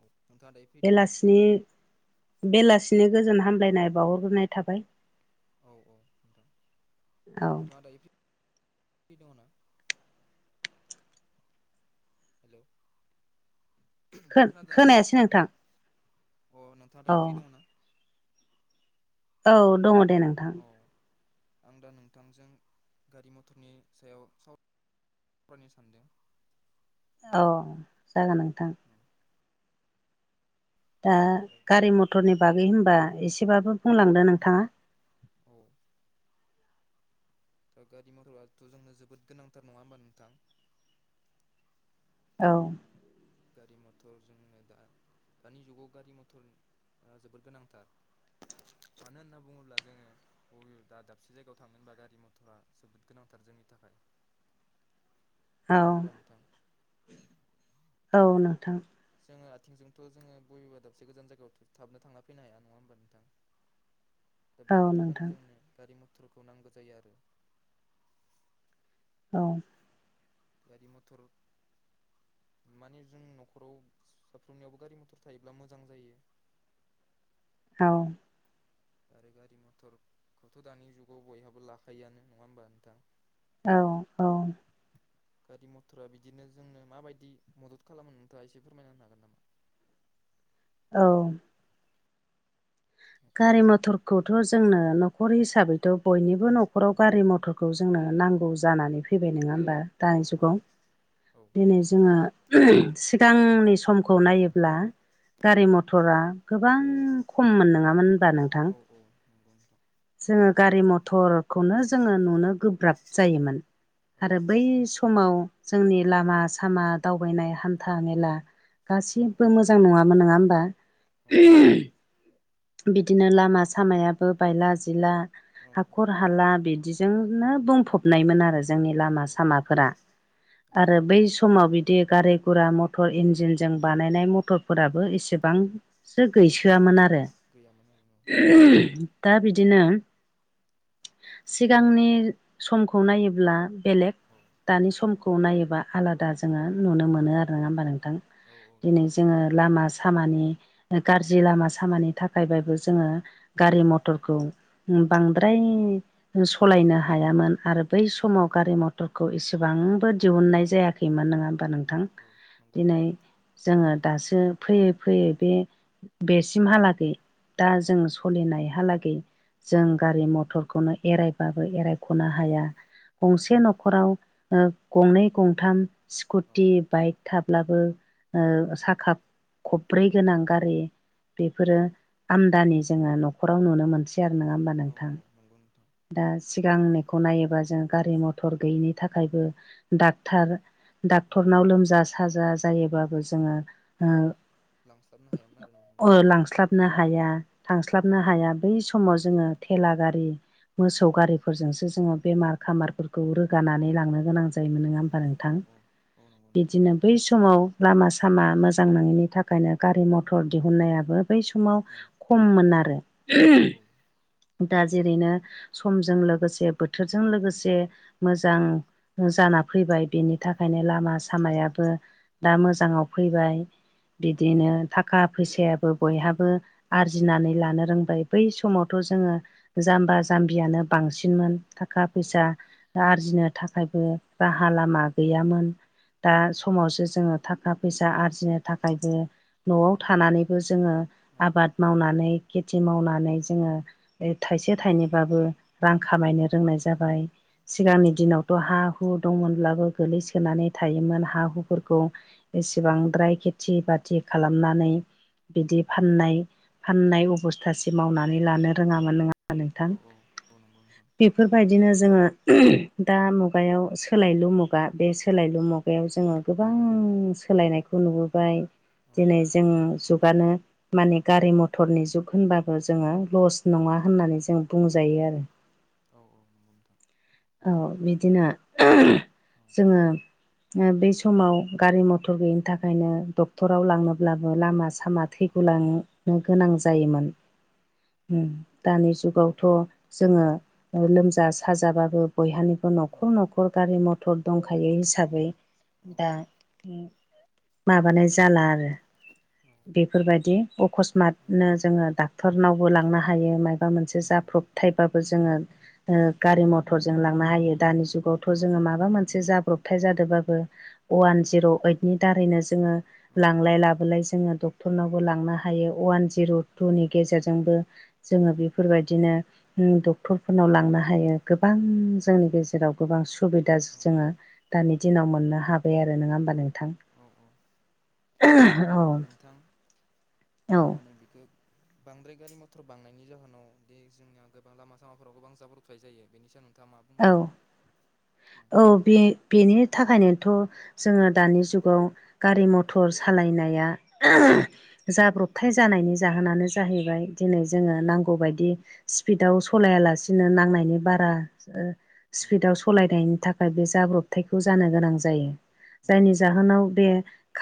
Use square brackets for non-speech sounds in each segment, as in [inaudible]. औ नोंथां दे बेलासिनि बेलासिनि गोजोन औ हामलायनाय बावहरग्रोनाय थाबाय औ औ नोंथां औ नोंथाङा दायो फ्रि दङ ना? हेल' खोन खोनायासै नोंथां अ नोंथाङा औ दायो फ्रि दङ ना? औ दङ दे नोंथां औ आं दा नोंथांजों गारि मटरनि सायाव साव रायनो सान्दों औ जागोन नोंथां औ दा गारि मटरनि बागै होनबा एसेबाबो बुंलांदो नोंथाङा औ दा गारि मथरथ' जोंनो जोबोद गोनांथार नङा होनोमबा नोंथां औ गारि मथर जोंनो दा दानि जुगाव गारि मटरा जोबोद गोनांथार मानो होनना बुङोब्ला जोङो बबे दा दाबसे जायगायाव थांनो होनबा गारि मथरा जोबोद गोनांथार जोंनि थाखाय औ नङा होमबा नोंथां औ नोंथां जोङो आथिंजोंथ' जोङो बबेबा दाबसे गोजान जायगायाव थाबनो थांना फैनो हाया नङा होनबा नोंथां। [inaudible] दा बेनि थाखायनो नोंथां जोंनो गारि मथरखौ नांगौ जायो आरो। औ गारि मथर माने जों न'खराव साफ्रोमनियावबो गारि मथर थायोब्ला मोजां जायो। औ आरो गारि मथरखौथ' दानि जुगाव बयहाबो लाखायोआानो नङा होमबा नोंथां। औ औ गारि मथरा बिदिनो जोंनो माबायदि मदद खालामो नोंथाङा एसे फोरमायना होनो हागोन नामा? औ गारि मथरखौथ' जोंनो न'खर हिसाबैथ' बयनिबो न'खराव औ गारि मटर जोंनो नांगौ जानानै फैबाय नङा होमबा दानि औ जुगाव औ दिनै जोङो सिगांनि समखौ नायोब्ला गारि मथरा गोबां खममोन नङामोन होनबा नोंथां। अ नंगौ नोंथां। जोङो गारि मथरखौनो जोङो नुनो गोब्राब जायोमोन औ आरो बै समाव जोंनि लामा सामा दावबायनाय हान्था मेला औ गासिबो मोजां नङामोन नङा होमबा औ बिदिनो लामा सामायाबो बायला जिला औ हाखर हाला बिदिजोंनो बुंफबनायमोन आरो जोंनि औ लामा औ सामाफोरा। औ आरो बै समाव बिदि गारि गुरा मथर इन्जिनजों बानायनाय मथर फोराबो एसेबांसो औ गैसोआमोन आरो। गैयामोन आरोना दा बिदिनो सिगांनि समखौ नायोब्ला बेलेग औ दानि समखौ नायोबा आलादा जोङो औ नुनो मोनो आरो। नङा होमबा नोंथां औ औ दिनै नंगौ नोंथां। जोङो लामा सामानि गाज्रि लामा सामानि थाखाय थाखायबो जोङो गारि औ मथरखौ बांद्राय सालायनो हायामोन आरो बै समाव हायामोन औ गारि मथर डक्टरखौ इसेबांबो दिहुननाय जायाखैमोन नङा होमबा औ नोंथां औ नंगौ दिनै नोंथां जोङो दासो फैयै फैयै बे बेसिमहालागै दा औ जों सलिनायहालागै जों औ गारि मथरखौनो एरायबाबो एरायख'नो हाया। औ गंसे न'खराव गंनै गंथाम स्कुटि बाइक थाब्लाबो औ साखा खब्रै गोनां गारि बेफोरो आमदानि जोङो न'खराव नुनो मोनसै आरो नङा होमबा औ नोंथां। नंगौ नोंथां दा सिगांनिखौ नायोबा जों गारि मथर गैयिनि थाखायबो औ डक्टर औ डाक्टरनाव लोमजा साजा जायोबाबो जोङो औ लांस्लाबनो हायामोन आरो न' ओ नोंथां लांस्लाबनो औ ह थांस्लाबनो हाया बै औ समाव जोङो थेला गारि मोसौ गारिफोरजोंसो जोङो बेमार खामारफोरखौ रोगानानै लांनो गोनां जायोमोन नंङा होमबा औ नोंथां औ नंगौ नोंथां बिदिनो बै समाव लामा सामा मोजां नंङैनि थाखायनो गारि मथर दिहुननायाबो बै समाव औ खममोन आरो औ औ दा जेरैनो समजों लोगोसे बोथोरजों लोगोसे मोजां जाना फैबाय बेनि थाखायनो लामा सामायाबो दा मोजांङाव फैबाय बिदिनो थाखा फैसायाबो बयहाबो औ आरजिनानै लानो रोंबाय बै समावथ' जोंङो जाम्बा जाम्बियानो बांसिनमोन थाखा औ फैसा आरजिनो थाखायबो राहा लामा गैयामोन दा समावसो जोंङो थाखा फैसा आरजिनो थाखायबो न'आव थानानैबो जोंङो आबाद मावनानै खेथि मावनानै जोंङो थाइसे थाइनैबाबो रां खामायनो रोंनाय जाबाय। सिगांनि दिनावथ' हा हु दंमोनब्लाबो गोलैसोनानै थायोमोन हा हुफोरखौ एसेबांद्राय खेथि बाथि खालामनानै बिदि फाननाय फाननाय अबस्थासे मावनानै लानो रोंङामोन नङा होमबा बा नोंथां नंगौ नोंथां बेफोरबायदिनो जोंङो दा मुगायाव सोलायलु मुगा बे सोलायलु बेयाव जोंङो गोबां सोलायनायखौ नुबोबाय औ दिनै जों जुगानो माने गारि मथर टरनि जुग होनबाबो जोंङो लस नंङा होननानै जों बुंजायो आरो औ-औ नंगौ नोंथां औ बिदिनो औ जोंङो बे समाव गारि मथर गैयिनि थाखायनो डक्टराव लांनोब्लाबो लामा औ सामा थै [unintelligible] गोनां जायोमोन दानि जुगावथ' जोंङो लोमजा साजाबाबो बयहानिबो न'खर न'खर गारि मथर दंखायो हिसाबै ओ माबानाय जाला आरो बेफोरबायदि अकसमात नो जोंङो डाक्टरनावबो लांनो हायो मायबा मोनसे जाब्रबथायबाबो जोंङो ओ गारि मथरजों लांनो हायो दानि जुगावथ' जोंङो माबा मोनसे जाब्रबथाय जादोबाबो अवान जिर' ओइदनि दारैनो जोंङो लांलाय लाबोलाय जोंङो डक्टरनावबो लांनो हायो अवान जिर' टुनि गेजेरजोंबो जोंङो बेफोरबायदिनो डक्टरफोरनाव लांनो हायो गोबां जोंनि गेजेराव गोबां सुबिदा जोंङो दानि दिनाव मोननो हाबाय आरो नंङा होमबा नोंथां अ ओमफ्राय औ नोंथां औ मा होनो बेखौ बांद्राय गारि मथर बांनायनि जाहोनाव दि जोंनिया गोबां लामा सामाफोराव गोबां जाब्रथाय जायो बेनि सोमोनदै औ-औ बे बेनि थाखायनोथ' जोंङो दानि जुगाव गारि मथर सालायनाया जाब्रबथाय जानायनि जाहोनानो जाहैबाय दिनै जोंङो नांगौबायदि स्पिडआव सलायालासिनो नांनायनि बारा स्पिडाव सालायनायनि थाखाय बे जाब्रबथायखौ जानो गोनां जायो। जायनि जाहोनाव बे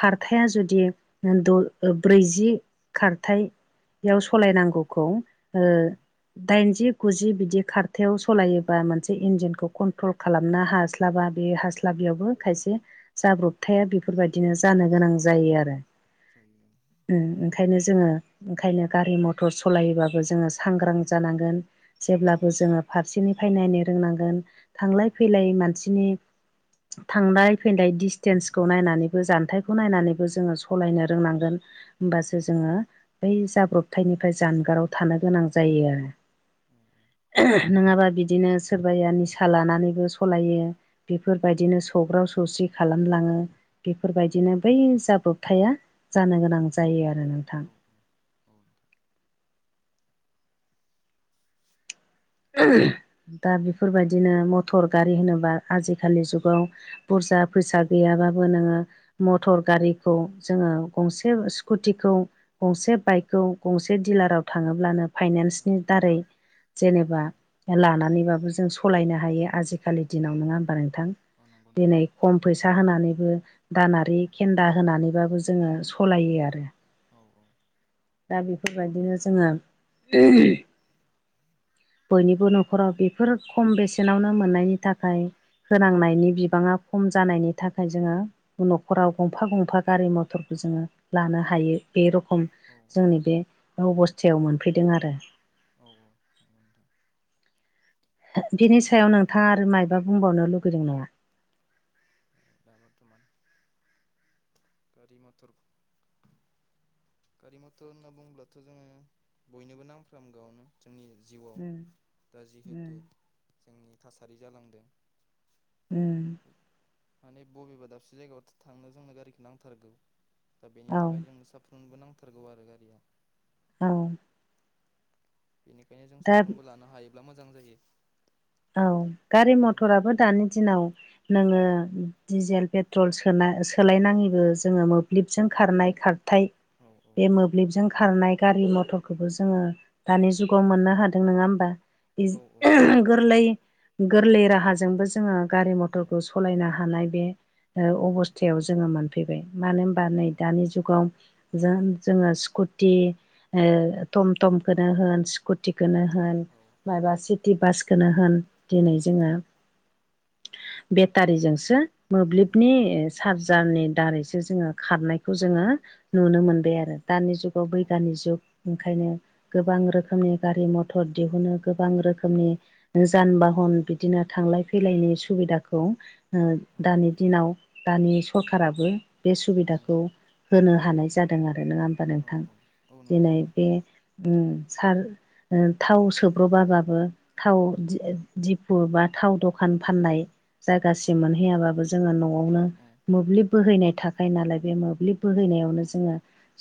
खारथाया जुदि द ब्रैजि खारथायाव सलायनांगौखौ ओ दाइनजि गुजि बिदि खारथायाव सालायोबा मोनसे इन्जिनखौ कन्ट्रल खालामनो हास्लाबा बे हास्लाबियावबो खायसे जाब्रबथाया बेफोरबायदिनो जानो गोनां जायो आरो ओम ओंखायनो जोंङो ओंखायनो गारि मथर सालायोबाबो जोंङो सांग्रां जानांगोन जेब्लाबो जोङो फारसेनिफ्राय नायनो रोंनांगोन थांलाय फैलाय मानसिनि थांनाय फैनाय डिसटेन्सखौ नायनानैबो जान्थाइखौ नायनानैबो जोङो सालायनो रोंनांगोन होमबासो जोङो बै जाब्रबथायनिफ्राय जानगाराव थानो गोनां जायो आरो नङाबा बिदिनो सोरबाया निसा लानानैबो सलायो बेफोरबायदिनो सौग्राव सौसि खालामलाङो बेफोरबायदिनो बै जाब्रबथाया जानो गोनां जायो आरो नोंथां अ नोंथां दा बेफोरबायदिनो मथर गारि नोंथां होनोबा आजिखालि जुगाव बुरजा फैसा गैयाबाबो नोङो औ मटर गारिखौ जोङो गंसे स्कुटिखौ गंसे बाइकखौ गंसे दिलाराव थाङोब्लानो फाइनान्सनि दारै जेनेबा बा औ लानानैबाबो जों सालायनो हायो आजिखालि औ दिनाव नङा होमबा नोंथां औ नंगौ नोंथां दिनै खम फैसा होनानैबो औ दानारि खेन्दा होनानैबाबो जोङो सलायो आरो औ औ दा बेफोरबायदिनो जोङो बयनिबो न'खराव बेफोर खम बेसेनावनो मोननायनि थाखाय होनांनायनि बिबाङा खम जानायनि थाखाय जोङो न'खराव गंफा गंफा गारि मथरखौ जोङो लानो हायो बे रखम जोंनि बे अबस्थायाव मोनफैदों आरो औ औ नंगौ नोंथां बिनि सायाव नोंथाङा आरो मायबा बुंबावनो लुगैदों नामा दा बरथमान गारि मटर गारि मथर होनना बुङोब्लाथ' जोङो बयनोबो नांफ्रामगोआनो जोंनि जिउआव उम दा उम जिहेथु जोंनि थासारि जालांदों उम माने बबेबा दाबसे जायगायाव' थांनो जोंनो गारिखौ नांथारगौ दा बेनि औ थाखाय जोंनो साफ फ्रोमनोबो नांथारगौ आरो गारिखौ औ बेनिखायनो जों दा साफ्रोमबो लानो हायोब्ला मोजां जायो औ गारि मथराबो दानि दिनाव नोङो डिजेल पेट्रल सोनाय औ सोलायनाङैबो जोङो मोब्लिबजों खारनाय खार हाथाय औ बे मोब मोब्लिबजों खारनाय गारि मथरखौबो जोङो दानि जुगाव मोननो हादों नङा होमबा इ औ औ [inaudible] गोरलै गोरलै राहाजोंबो जोङो गारि औ मथरखौ सलायनो हानाय बे अबस्थायाव जोङो मोनफैबाय मानो होनबा नै दानि जुगाव जों जोङो स्कुटि ओ टमटमखौनो होन स्कुटिखौनो होन माबा सिटि बास खौनो होन दिनै जोङो बेटारिजोंसो मोब्लिबनि चार्जारनि दारैसो जोङो खारनायखौ जोङो नुनो मोनबाय आरो दानि जुगाव बैगयानिक जुग ओंखायनो गोबां रोखोमनि गारि मथर दिहुनो गोबां रोखोमनि जान बाहन बिदिनो थांलाय फैलायनि सुबिदाखौ दानि दिनाव दानि सरखाराबो बे सुबिदाखौ होनो हानाय जादों आरो नङा होमबा नोंथां नंगौ दिनै नोंथां बे सार थाव सोब्रबाबाबो थाव दिफु बा थाव दखान औ फाननाय औ जायगासिम मोनहैयाबाबो जोङो न'आवनो औ मोब्लिब बोहैनाय थाखायो नालाय बे मोब्लिब औ बोहैनायावनो जोङो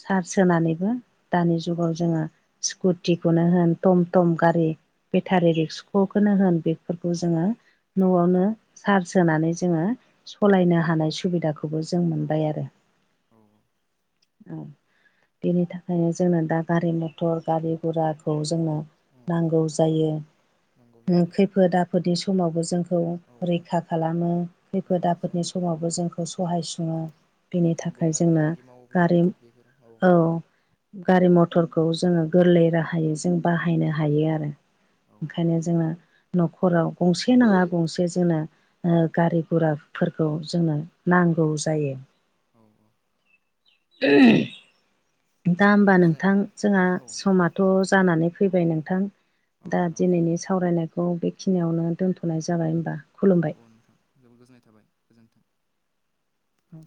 सार्च होनानैबो दानि औ जुगाव जोङो स्कुटिखौनो होन थम थम गारि, बेटारि रिक्स' खौनो होन बेफोरखौ जोङो न'आवनो सार्ज होनानै जोङो सालायनो हानाय सुबिदाखौबो जों औ मोनबाय आरो औ औ। बेनि थाखायनो जोंङो दा गारि मथर गारि गुराखौ जोङो औ नांगौ जायो। नांगौ जायो खैफोद आफोदनि समावबो जोंखौ औ औ रैखा खालामो औ खैफोद जों आफोदनि समाव जोंखौ औ सहाय सुङो बेनि जों थाखाय बेफार जोंनो फालांगि मावोब्लाबो गारि बेफोराव औ। गारि मथरखौ जोङो गोरलै राहायै जों बाहायनो औ हायो आरो औ ओंखायनो जोङा न'खराव गंसे नाङा गंसे जोंना ओ गारि गुराफोरखौ जोङो औ नांगौ जायो औ [inaudible] दा होमबा गोजोन नोंथां जोंहा औ समाथ जानानै औ फैबाय औ नोंथां। औ दा नोंथां औ दिनैनि सावरायनायखौ बेखिनियावनो दोनथनाय जाबाय होनबा औ खुलुमबाय। औ नोंथां जोबोद गोजोननाय थाबाय गोजोन्थों।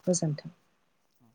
गोजोन्थों। औ